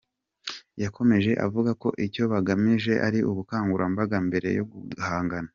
Yakomeje avuga ko icyo bagamije ari ubukangurambaga mbere yo guhana.